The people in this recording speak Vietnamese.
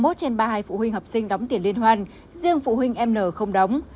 ba mươi một trên ba mươi hai phụ huynh học sinh đóng tiền liên hoan riêng phụ huynh em nở không đóng